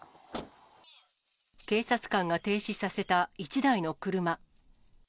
警察官が停止させた１台の車。